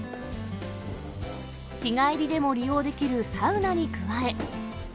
日帰りでも利用できるサウナに加え。